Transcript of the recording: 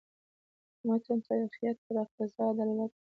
د متن تاریخیت پر اقتضا دلالت کوي.